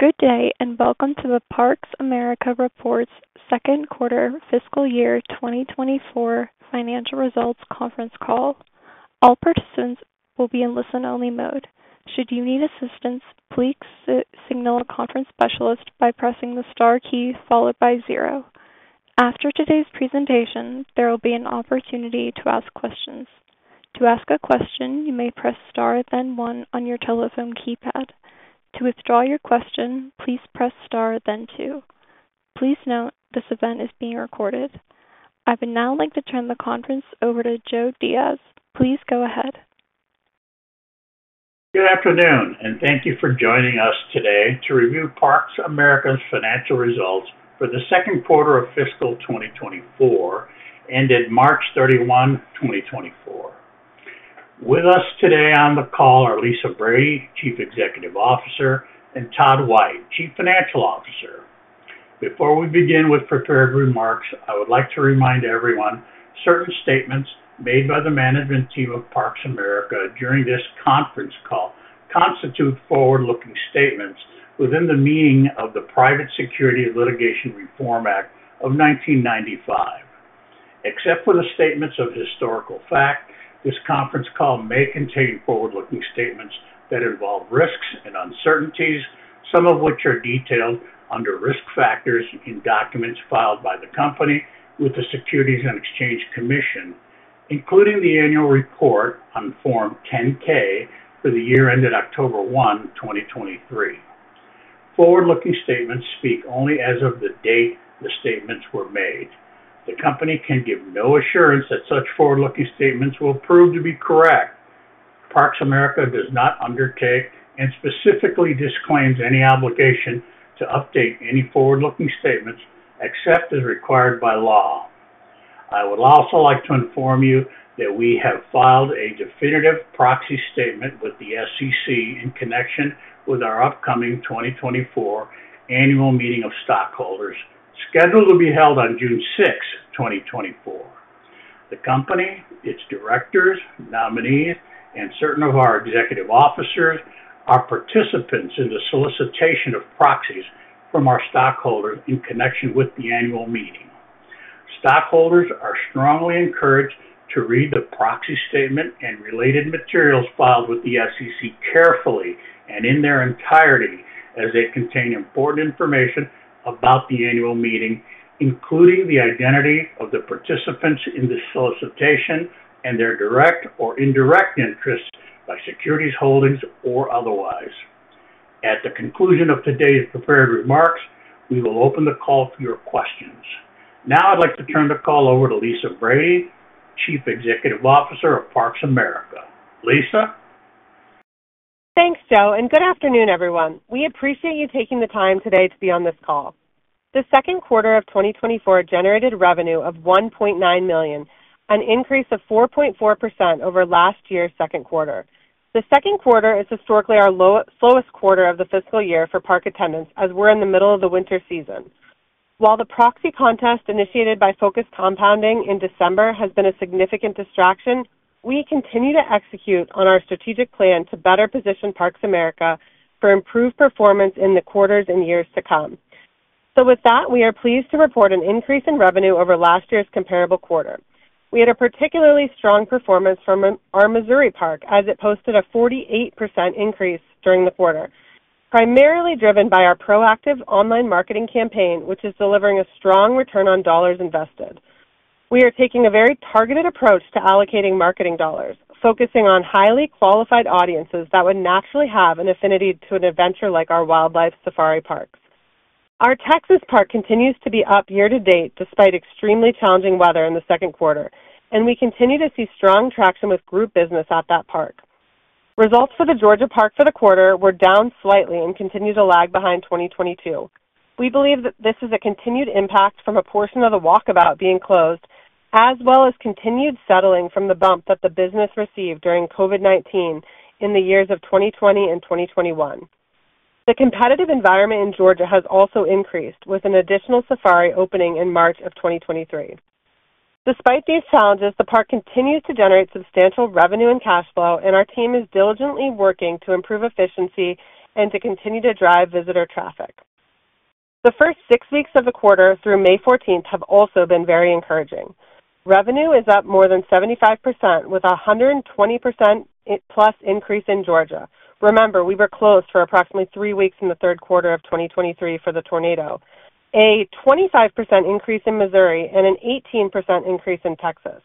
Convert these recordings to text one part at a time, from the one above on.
Good day and welcome to the Parks! America Reports Second Quarter Fiscal Year 2024 Financial Results Conference Call. All participants will be in listen-only mode. Should you need assistance, please signal a conference specialist by pressing the star key followed by zero. After today's presentation, there will be an opportunity to ask questions. To ask a question, you may press star then one on your telephone keypad. To withdraw your question, please press star then two. Please note, this event is being recorded. I would now like to turn the conference over to Joe Diaz. Please go ahead. Good afternoon, and thank you for joining us today to review Parks! America's Financial Results for The Second Quarter of Fiscal 2024, Ended March 31, 2024. With us today on the call are Lisa Brady, Chief Executive Officer, and Todd White, Chief Financial Officer. Before we begin with prepared remarks, I would like to remind everyone certain statements made by the management team of Parks! America during this conference call constitute forward-looking statements within the meaning of the Private Securities Litigation Reform Act of 1995. Except for the statements of historical fact, this conference call may contain forward-looking statements that involve risks and uncertainties, some of which are detailed under risk factors in documents filed by the company with the Securities and Exchange Commission, including the annual report on Form 10-K for the year ended October 1, 2023. Forward-looking statements speak only as of the date the statements were made. The company can give no assurance that such forward-looking statements will prove to be correct. Parks! America does not undertake and specifically disclaims any obligation to update any forward-looking statements except as required by law. I would also like to inform you that we have filed a definitive proxy statement with the SEC in connection with our upcoming 2024 annual meeting of stockholders, scheduled to be held on June 6, 2024. The company, its directors, nominees, and certain of our executive officers are participants in the solicitation of proxies from our stockholders in connection with the annual meeting. Stockholders are strongly encouraged to read the proxy statement and related materials filed with the SEC carefully and in their entirety as they contain important information about the annual meeting, including the identity of the participants in the solicitation and their direct or indirect interests by security holdings or otherwise. At the conclusion of today's prepared remarks, we will open the call for your questions. Now I'd like to turn the call over to Lisa Brady, Chief Executive Officer of Parks! America. Lisa? Thanks, Joe, and good afternoon, everyone. We appreciate you taking the time today to be on this call. The second quarter of 2024 generated revenue of $1.9 million, an increase of 4.4% over last year's second quarter. The second quarter is historically our lowest slowest quarter of the fiscal year for park attendance as we're in the middle of the winter season. While the proxy contest initiated by Focus Compounding in December has been a significant distraction, we continue to execute on our strategic plan to better position Parks! America for improved performance in the quarters and years to come. So with that, we are pleased to report an increase in revenue over last year's comparable quarter. We had a particularly strong performance from our Missouri Park as it posted a 48% increase during the quarter, primarily driven by our proactive online marketing campaign, which is delivering a strong return on dollars invested. We are taking a very targeted approach to allocating marketing dollars, focusing on highly qualified audiences that would naturally have an affinity to an adventure like our wildlife safari parks. Our Texas Park continues to be up year-to-date despite extremely challenging weather in the second quarter, and we continue to see strong traction with group business at that park. Results for the Georgia Park for the quarter were down slightly and continue to lag behind 2022. We believe that this is a continued impact from a portion of the Walkabout being closed, as well as continued settling from the bump that the business received during COVID-19 in the years of 2020 and 2021. The competitive environment in Georgia has also increased, with an additional safari opening in March of 2023. Despite these challenges, the park continues to generate substantial revenue and cash flow, and our team is diligently working to improve efficiency and to continue to drive visitor traffic. The first six weeks of the quarter through May 14th have also been very encouraging. Revenue is up more than 75%, with a 120%+ increase in Georgia. Remember, we were closed for approximately three weeks in the third quarter of 2023 for the tornado: a 25% increase in Missouri and an 18% increase in Texas.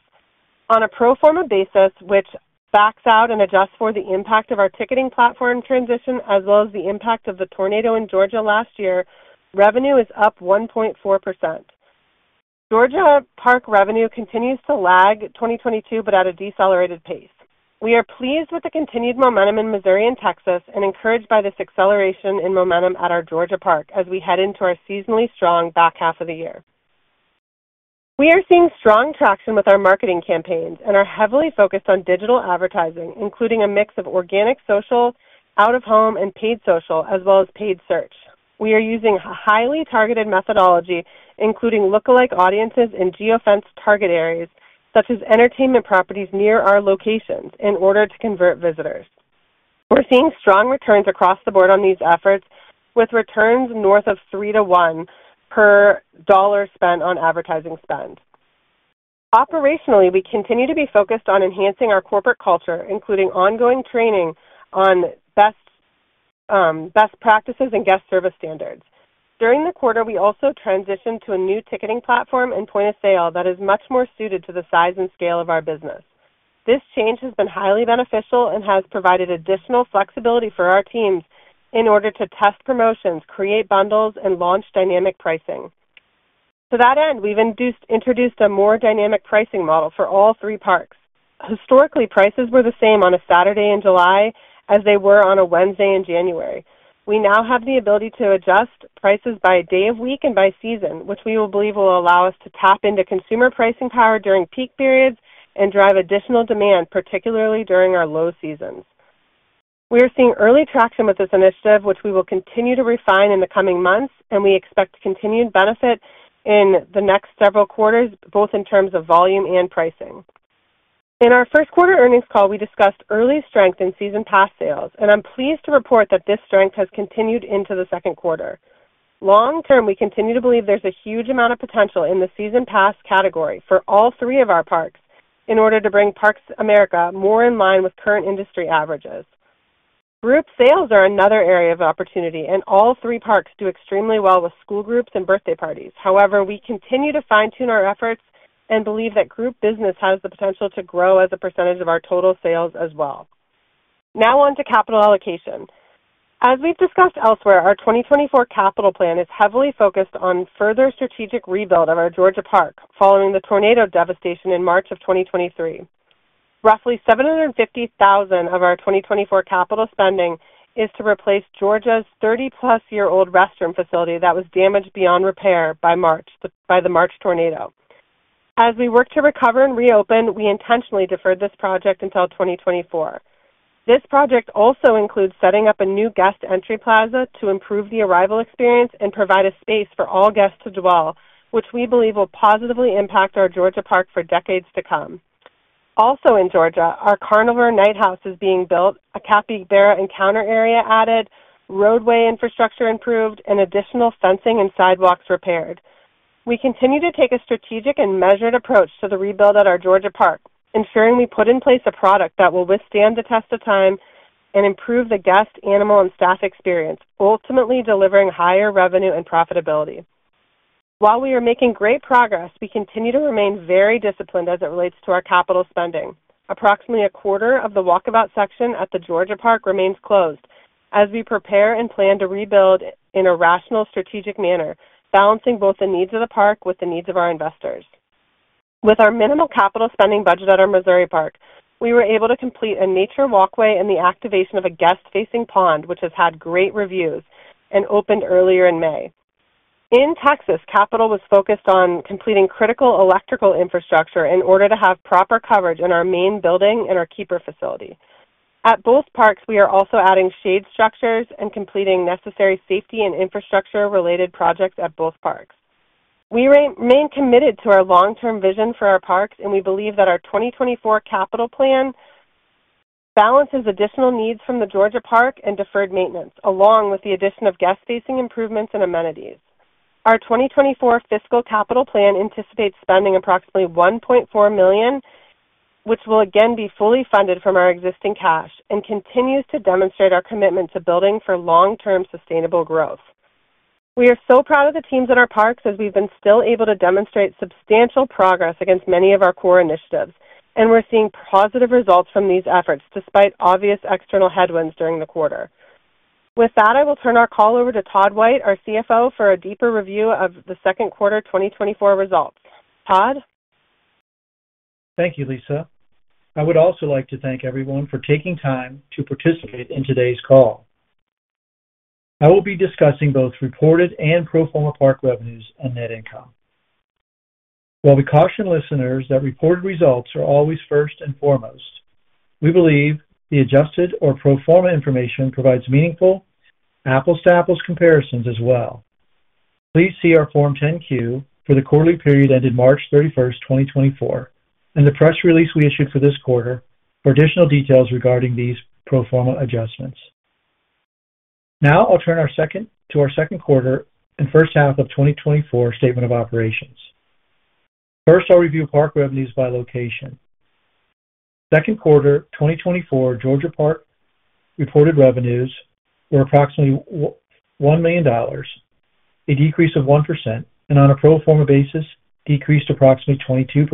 On a pro forma basis, which backs out and adjusts for the impact of our ticketing platform transition as well as the impact of the tornado in Georgia last year, revenue is up 1.4%. Georgia Park revenue continues to lag 2022 but at a decelerated pace. We are pleased with the continued momentum in Missouri and Texas and encouraged by this acceleration in momentum at our Georgia Park as we head into our seasonally strong back half of the year. We are seeing strong traction with our marketing campaigns and are heavily focused on digital advertising, including a mix of organic social, out-of-home, and paid social, as well as paid search. We are using highly targeted methodology, including lookalike audiences in geofence target areas such as entertainment properties near our locations, in order to convert visitors. We're seeing strong returns across the board on these efforts, with returns north of 3-to-1 per $1 spent on advertising spend. Operationally, we continue to be focused on enhancing our corporate culture, including ongoing training on best practices and guest service standards. During the quarter, we also transitioned to a new ticketing platform and point of sale that is much more suited to the size and scale of our business. This change has been highly beneficial and has provided additional flexibility for our teams in order to test promotions, create bundles, and launch dynamic pricing. To that end, we've introduced a more dynamic pricing model for all three parks. Historically, prices were the same on a Saturday in July as they were on a Wednesday in January. We now have the ability to adjust prices by day of week and by season, which we believe will allow us to tap into consumer pricing power during peak periods and drive additional demand, particularly during our low seasons. We are seeing early traction with this initiative, which we will continue to refine in the coming months, and we expect continued benefit in the next several quarters, both in terms of volume and pricing. In our first quarter earnings call, we discussed early strength in season pass sales, and I'm pleased to report that this strength has continued into the second quarter. Long term, we continue to believe there's a huge amount of potential in the season pass category for all three of our parks in order to bring Parks! America more in line with current industry averages. Group sales are another area of opportunity, and all three parks do extremely well with school groups and birthday parties. However, we continue to fine-tune our efforts and believe that group business has the potential to grow as a percentage of our total sales as well. Now on to capital allocation. As we've discussed elsewhere, our 2024 capital plan is heavily focused on further strategic rebuild of our Georgia Park following the tornado devastation in March of 2023. Roughly $750,000 of our 2024 capital spending is to replace Georgia's 30+ year old restroom facility that was damaged beyond repair by the March tornado. As we work to recover and reopen, we intentionally deferred this project until 2024. This project also includes setting up a new guest entry plaza to improve the arrival experience and provide a space for all guests to dwell, which we believe will positively impact our Georgia Park for decades to come. Also in Georgia, our Carnivore Night House is being built, a Capybara Encounter area added, roadway infrastructure improved, and additional fencing and sidewalks repaired. We continue to take a strategic and measured approach to the rebuild at our Georgia Park, ensuring we put in place a product that will withstand the test of time and improve the guest, animal, and staff experience, ultimately delivering higher revenue and profitability. While we are making great progress, we continue to remain very disciplined as it relates to our capital spending. Approximately a quarter of the Walkabout section at the Georgia Park remains closed as we prepare and plan to rebuild in a rational strategic manner, balancing both the needs of the park with the needs of our investors. With our minimal capital spending budget at our Missouri Park, we were able to complete a nature walkway and the activation of a guest-facing pond, which has had great reviews and opened earlier in May. In Texas, capital was focused on completing critical electrical infrastructure in order to have proper coverage in our main building and our keeper facility. At both parks, we are also adding shade structures and completing necessary safety and infrastructure-related projects at both parks. We remain committed to our long-term vision for our parks, and we believe that our 2024 capital plan balances additional needs from the Georgia Park and deferred maintenance, along with the addition of guest-facing improvements and amenities. Our 2024 fiscal capital plan anticipates spending approximately $1.4 million, which will again be fully funded from our existing cash, and continues to demonstrate our commitment to building for long-term sustainable growth. We are so proud of the teams at our parks as we've been still able to demonstrate substantial progress against many of our core initiatives, and we're seeing positive results from these efforts despite obvious external headwinds during the quarter. With that, I will turn our call over to Todd White, our CFO, for a deeper review of the second quarter 2024 results. Todd? Thank you, Lisa. I would also like to thank everyone for taking time to participate in today's call. I will be discussing both reported and pro forma park revenues and net income. While we caution listeners that reported results are always first and foremost, we believe the adjusted or pro forma information provides meaningful apples-to-apples comparisons as well. Please see our Form 10-Q for the quarterly period ended March 31, 2024, and the press release we issued for this quarter for additional details regarding these pro forma adjustments. Now I'll turn to our second quarter and first half of 2024 statement of operations. First, I'll review park revenues by location. Second quarter 2024 Georgia Park reported revenues were approximately $1 million, a decrease of 1%, and on a pro forma basis, decreased approximately 22%.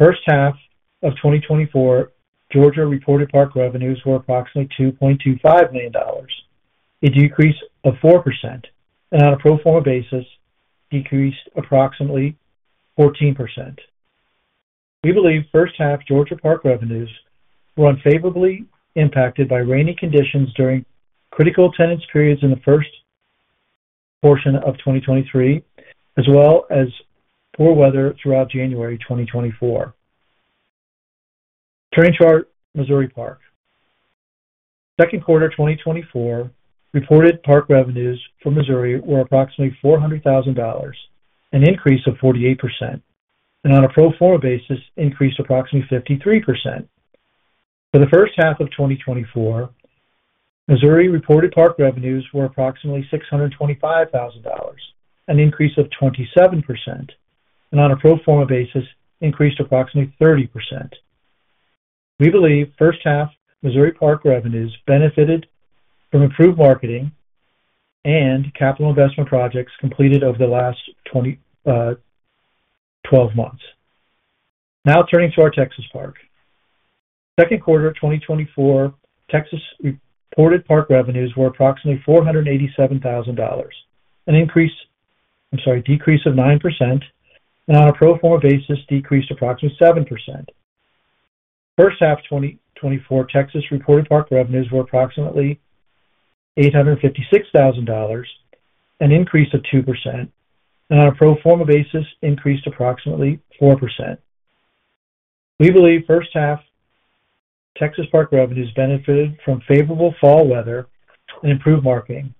First half of 2024 Georgia reported park revenues were approximately $2.25 million, a decrease of 4%, and on a pro forma basis, decreased approximately 14%. We believe first half Georgia Park revenues were unfavorably impacted by rainy conditions during critical attendance periods in the first portion of 2023, as well as poor weather throughout January 2024. Turning to our Missouri Park. Second quarter 2024 reported park revenues for Missouri were approximately $400,000, an increase of 48%, and on a pro forma basis, increased approximately 53%. For the first half of 2024, Missouri reported park revenues were approximately $625,000, an increase of 27%, and on a pro forma basis, increased approximately 30%. We believe first half Missouri Park revenues benefited from improved marketing and capital investment projects completed over the last 12 months. Now turning to our Texas Park. Second quarter 2024 Texas reported park revenues were approximately $487,000, an increase I'm sorry, decrease of 9%, and on a pro forma basis, decreased approximately 7%. First half 2024 Texas reported park revenues were approximately $856,000, an increase of 2%, and on a pro forma basis, increased approximately 4%. We believe first half Texas Park revenues benefited from favorable fall weather and improved marketing,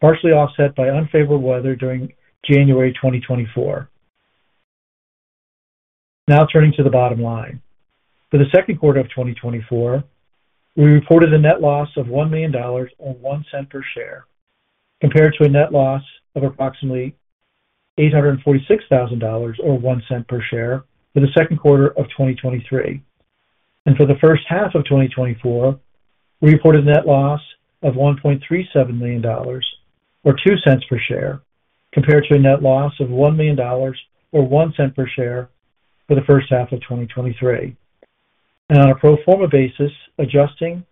partially offset by unfavorable weather during January 2024. Now turning to the bottom line. For the second quarter of 2024, we reported a net loss of $1 million and $0.01 per share, compared to a net loss of approximately $846,000 or 1 cent per share for the second quarter of 2023. For the first half of 2024, we reported a net loss of $1.37 million or $0.02 per share, compared to a net loss of $1 million or $0.01 per share for the first half of 2023. On a pro forma basis, adjusting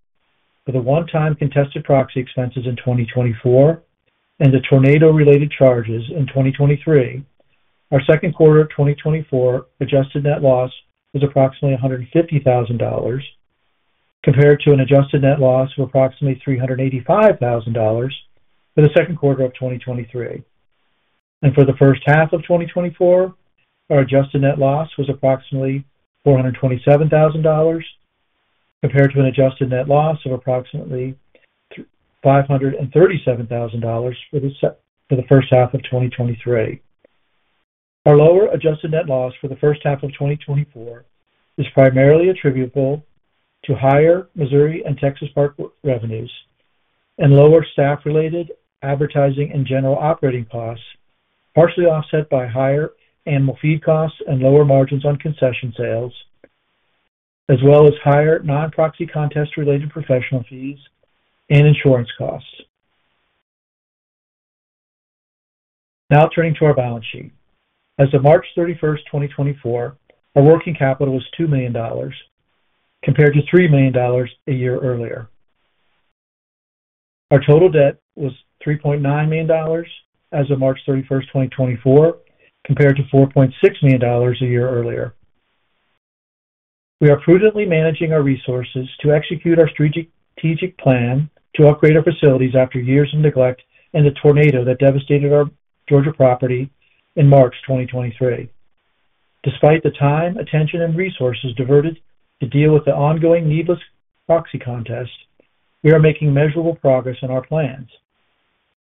for the one-time contested proxy expenses in 2024 and the tornado-related charges in 2023, our second quarter of 2024 adjusted net loss was approximately $150,000, compared to an adjusted net loss of approximately $385,000 for the second quarter of 2023. For the first half of 2024, our adjusted net loss was approximately $427,000, compared to an adjusted net loss of approximately $537,000 for the first half of 2023. Our lower adjusted net loss for the first half of 2024 is primarily attributable to higher Missouri and Texas Park revenues and lower staff-related advertising and general operating costs, partially offset by higher animal feed costs and lower margins on concession sales, as well as higher non-proxy contest-related professional fees and insurance costs. Now turning to our balance sheet. As of March 31, 2024, our working capital was $2 million, compared to $3 million a year earlier. Our total debt was $3.9 million as of March 31, 2024, compared to $4.6 million a year earlier. We are prudently managing our resources to execute our strategic plan to upgrade our facilities after years of neglect and the tornado that devastated our Georgia property in March 2023. Despite the time, attention, and resources diverted to deal with the ongoing needless proxy contest, we are making measurable progress in our plans,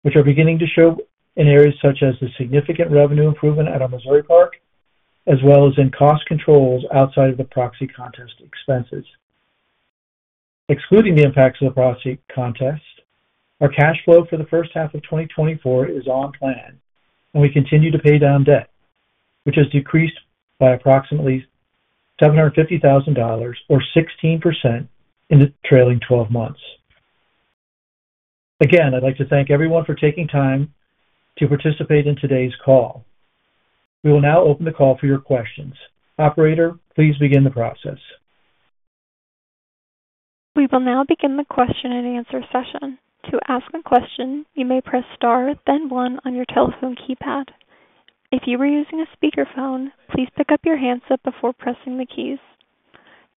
which are beginning to show in areas such as the significant revenue improvement at our Missouri Park, as well as in cost controls outside of the proxy contest expenses. Excluding the impacts of the proxy contest, our cash flow for the first half of 2024 is on plan, and we continue to pay down debt, which has decreased by approximately $750,000 or 16% in the trailing twelve months. Again, I'd like to thank everyone for taking time to participate in today's call. We will now open the call for your questions. Operator, please begin the process. We will now begin the question and answer session. To ask a question, you may press star, then 1 on your telephone keypad. If you were using a speakerphone, please pick up your handset before pressing the keys.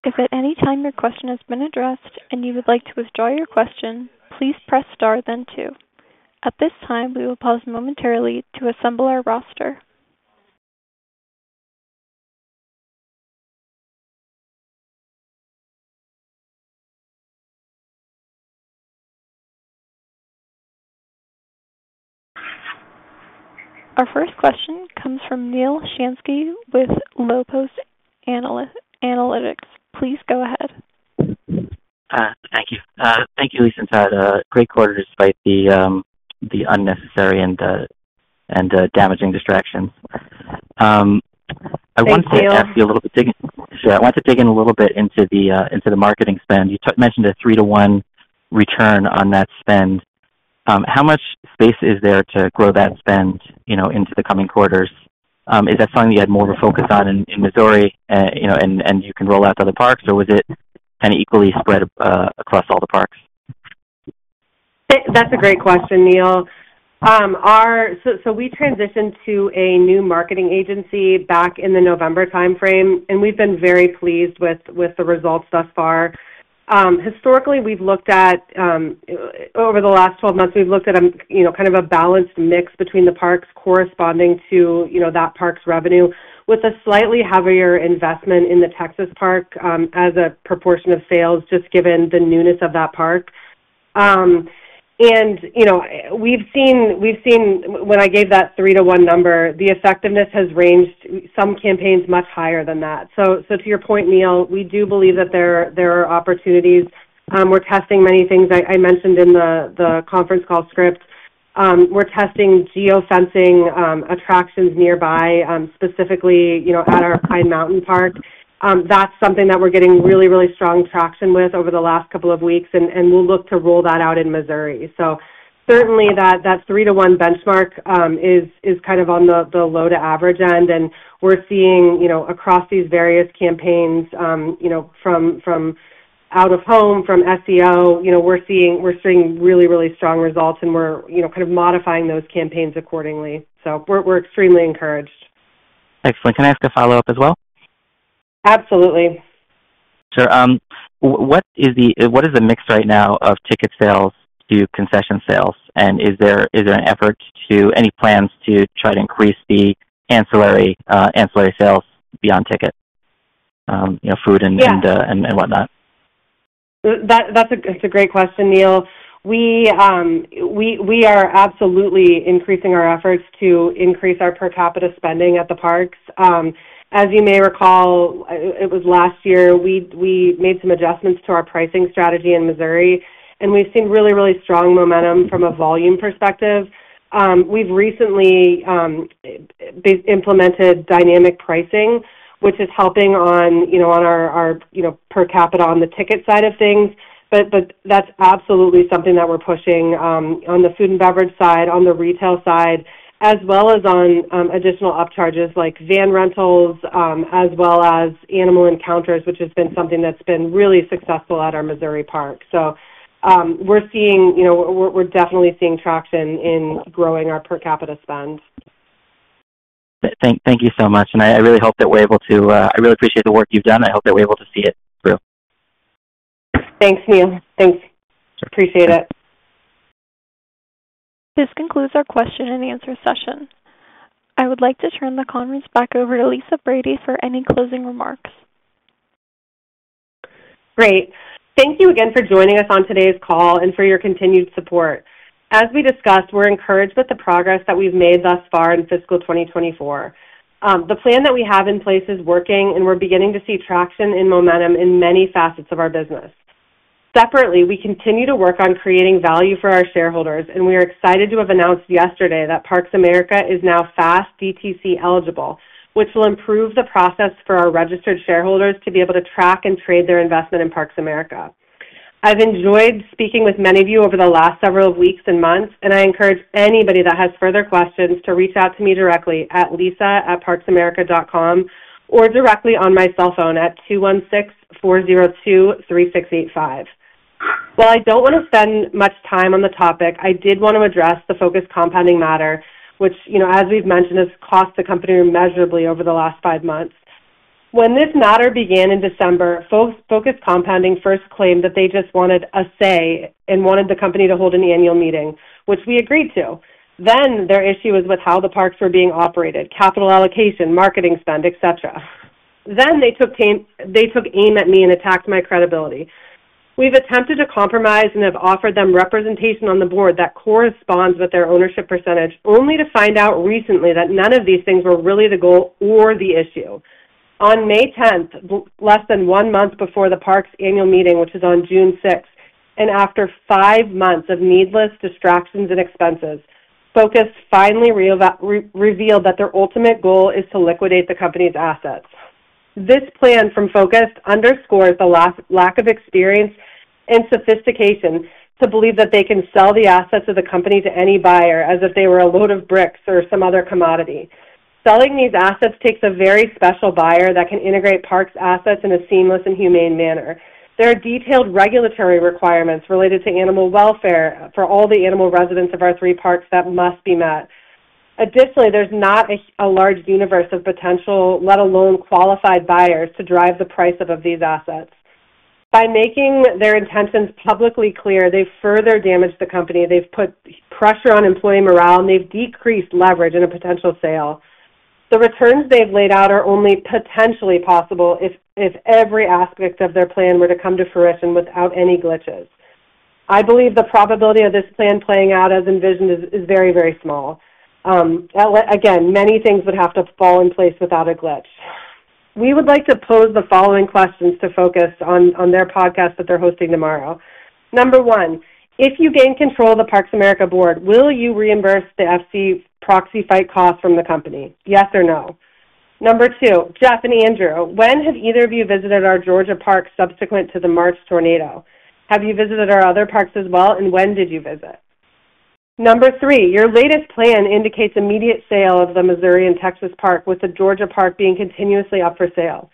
If at any time your question has been addressed and you would like to withdraw your question, please press star, then 2. At this time, we will pause momentarily to assemble our roster. Our first question comes from Neal Shanske with Lopos Analytics. Please go ahead. Thank you. Thank you, Lisa. It's had a great quarter despite the unnecessary and damaging distractions. I want to dig in a little bit into the marketing spend. You mentioned a 3:1 return on that spend. How much space is there to grow that spend into the coming quarters? Is that something you had more of a focus on in Missouri, and you can roll out to other parks, or was it kind of equally spread across all the parks? That's a great question, Neil. So we transitioned to a new marketing agency back in the November timeframe, and we've been very pleased with the results thus far. Historically, we've looked at over the last 12 months, we've looked at kind of a balanced mix between the parks corresponding to that park's revenue, with a slightly heavier investment in the Texas Park as a proportion of sales, just given the newness of that park. And we've seen, when I gave that 3:1 number, the effectiveness has ranged some campaigns much higher than that. So to your point, Neil, we do believe that there are opportunities. We're testing many things I mentioned in the conference call script. We're testing geofencing attractions nearby, specifically at our Pine Mountain Park. That's something that we're getting really, really strong traction with over the last couple of weeks, and we'll look to roll that out in Missouri. So certainly, that 3:1 benchmark is kind of on the low-to-average end, and we're seeing across these various campaigns from out of home, from SEO, we're seeing really, really strong results, and we're kind of modifying those campaigns accordingly. So we're extremely encouraged. Excellent. Can I ask a follow-up as well? Absolutely. Sure. What is the mix right now of ticket sales to concession sales, and is there an effort to any plans to try to increase the ancillary sales beyond ticket, food, and whatnot? That's a great question, Neil. We are absolutely increasing our efforts to increase our per capita spending at the parks. As you may recall, it was last year we made some adjustments to our pricing strategy in Missouri, and we've seen really, really strong momentum from a volume perspective. We've recently implemented dynamic pricing, which is helping on our per capita on the ticket side of things, but that's absolutely something that we're pushing on the food and beverage side, on the retail side, as well as on additional upcharges like van rentals, as well as Animal Encounters, which has been something that's been really successful at our Missouri Park. So we're seeing we're definitely seeing traction in growing our per capita spend. Thank you so much. I really hope that we're able to. I really appreciate the work you've done. I hope that we're able to see it through. Thanks, Neil. Thanks. Appreciate it. This concludes our question and answer session. I would like to turn the conference back over to Lisa Brady for any closing remarks. Great. Thank you again for joining us on today's call and for your continued support. As we discussed, we're encouraged with the progress that we've made thus far in fiscal 2024. The plan that we have in place is working, and we're beginning to see traction and momentum in many facets of our business. Separately, we continue to work on creating value for our shareholders, and we are excited to have announced yesterday that Parks! America is now FAST DTC eligible, which will improve the process for our registered shareholders to be able to track and trade their investment in Parks! America. I've enjoyed speaking with many of you over the last several weeks and months, and I encourage anybody that has further questions to reach out to me directly at lisa@parksamerica.com or directly on my cell phone at 216-402-3685. While I don't want to spend much time on the topic, I did want to address the Focus Compounding matter, which, as we've mentioned, has cost the company measurably over the last five months. When this matter began in December, Focus Compounding first claimed that they just wanted a say and wanted the company to hold an annual meeting, which we agreed to. Then their issue was with how the parks were being operated, capital allocation, marketing spend, etc. Then they took aim at me and attacked my credibility. We've attempted to compromise and have offered them representation on the board that corresponds with their ownership percentage, only to find out recently that none of these things were really the goal or the issue. On May 10th, less than one month before the park's annual meeting, which is on June 6th, and after five months of needless distractions and expenses, Focus finally revealed that their ultimate goal is to liquidate the company's assets. This plan from Focus underscores the lack of experience and sophistication to believe that they can sell the assets of the company to any buyer as if they were a load of bricks or some other commodity. Selling these assets takes a very special buyer that can integrate park's assets in a seamless and humane manner. There are detailed regulatory requirements related to animal welfare for all the animal residents of our three parks that must be met. Additionally, there's not a large universe of potential, let alone qualified buyers, to drive the price of these assets. By making their intentions publicly clear, they've further damaged the company. They've put pressure on employee morale, and they've decreased leverage in a potential sale. The returns they've laid out are only potentially possible if every aspect of their plan were to come to fruition without any glitches. I believe the probability of this plan playing out as envisioned is very, very small. Again, many things would have to fall in place without a glitch. We would like to pose the following questions to Focus Compounding on their podcast that they're hosting tomorrow. Number one, if you gain control of the Parks! America board, will you reimburse the FC proxy fight costs from the company? Yes or no? Number two, Geoff and Andrew, when have either of you visited our Georgia Park subsequent to the March tornado? Have you visited our other parks as well, and when did you visit? Number 3, your latest plan indicates immediate sale of the Missouri Park and Texas Park, with the Georgia Park being continuously up for sale.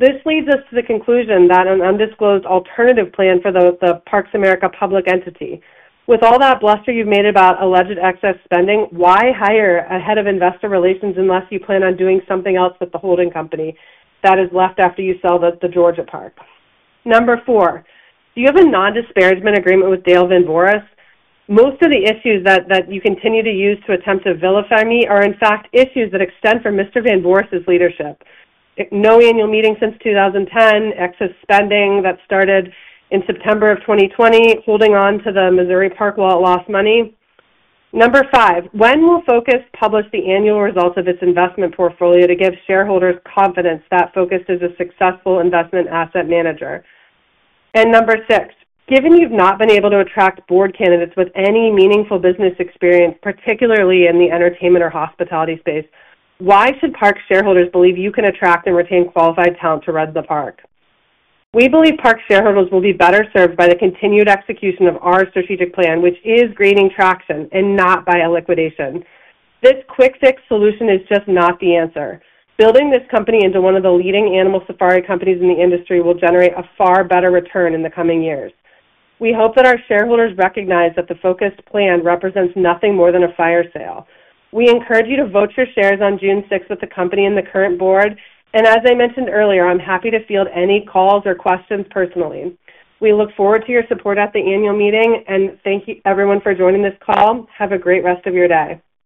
This leads us to the conclusion that an undisclosed alternative plan for the Parks! America public entity. With all that bluster you've made about alleged excess spending, why hire a head of investor relations unless you plan on doing something else with the holding company that is left after you sell the Georgia Park? Number 4, do you have a non-disparagement agreement with Dale Van Voorhis? Most of the issues that you continue to use to attempt to vilify me are, in fact, issues that extend from Mr. Van Voorhis's leadership: no annual meeting since 2010, excess spending that started in September of 2020, holding on to the Missouri Park while it lost money. Number five, when will Focus publish the annual results of its investment portfolio to give shareholders confidence that Focus is a successful investment asset manager? And number six, given you've not been able to attract board candidates with any meaningful business experience, particularly in the entertainment or hospitality space, why should park shareholders believe you can attract and retain qualified talent to run the park? We believe park shareholders will be better served by the continued execution of our strategic plan, which is gaining traction and not by a liquidation. This quick-fix solution is just not the answer. Building this company into one of the leading animal safari companies in the industry will generate a far better return in the coming years. We hope that our shareholders recognize that the Focus plan represents nothing more than a fire sale. We encourage you to vote your shares on June 6th with the company and the current board, and as I mentioned earlier, I'm happy to field any calls or questions personally. We look forward to your support at the annual meeting, and thank you, everyone, for joining this call. Have a great rest of your day.